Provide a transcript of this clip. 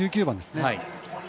１９番ですね。